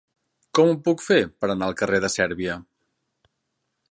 Com ho puc fer per anar al carrer de Sèrbia?